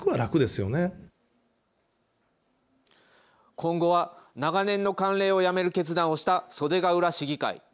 今後は長年の慣例をやめる決断をした袖ケ浦市議会。